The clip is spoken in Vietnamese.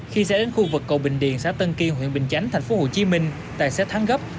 khi xe đến khu vực cầu bình điền xã tân kiên huyện bình chánh thành phố hồ chí minh tài xế thắng gấp